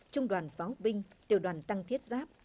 trung đoàn pháo binh tiểu đoàn tăng thiết giáp